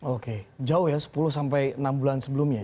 oke jauh ya sepuluh sampai enam bulan sebelumnya